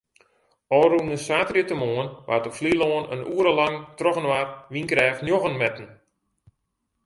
Ofrûne saterdeitemoarn waard op Flylân in oere lang trochinoar wynkrêft njoggen metten.